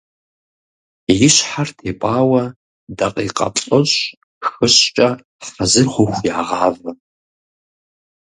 И щхьэр тепӀауэ дакъикъэ плӏыщӏ-хыщӏкӏэ, хьэзыр хъуху, ягъавэ.